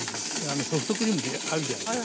ソフトクリームであるじゃないですか。